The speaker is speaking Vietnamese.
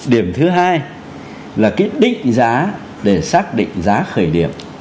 điểm thứ hai là cái định giá để xác định giá khởi điểm